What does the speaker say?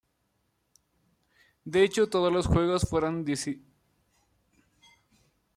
De hecho, todos los juegos fueron decididos de esta manera.